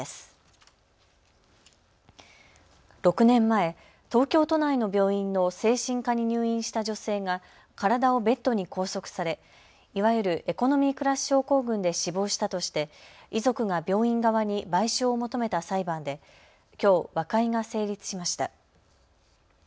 ６年前、東京都内の病院の精神科に入院した女性が体をベッドに拘束されいわゆるエコノミークラス症候群で死亡したとして遺族が病院側に賠償を求めた裁判できょう和解が成立しました。